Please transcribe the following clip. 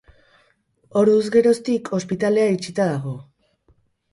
Orduz geroztik ospitalea itxita dago.